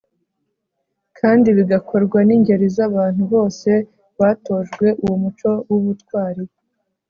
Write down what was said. kandi bigakorwa n'ingeri z'abantu bose batojwe uwo muco w'ubutwari